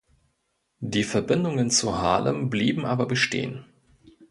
Die Verbindungen zu Haarlem blieben aber bestehen.